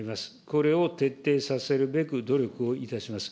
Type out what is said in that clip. これを徹底させるべく努力をいたします。